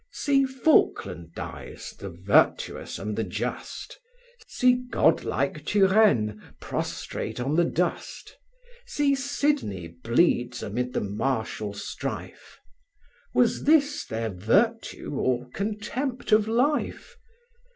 See Falkland dies, the virtuous and the just! See god like Turenne prostrate on the dust! See Sidney bleeds amid the martial strife! Was this their virtue, or contempt of life?